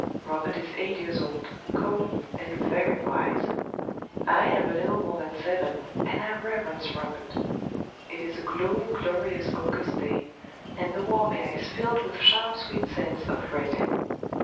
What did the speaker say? Robert is eight years old, comely, and very wise;—I am a little more than seven,—and I reverence Robert. It is a glowing glorious August day; and the warm air is filled with sharp sweet scents of resin.